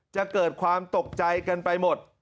จะเกิดความตกใจกันไปหมด